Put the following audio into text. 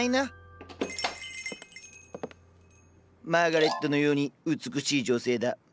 ・マーガレットのように美しい女性だ。